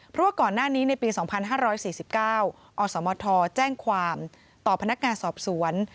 เพราะว่าก่อนหน้านี้ในปี๒๕๔๙อสมทแจ้งความต่อพนักงานสอบสวน